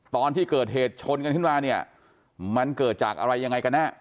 ตอนที่เกิดเหตุชนกันขึ้นมาเนี่ยมันเกิดจากอะไรยังไงกันแน่